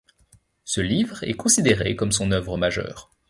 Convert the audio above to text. Ce livre est considéré comme son œuvre majeure.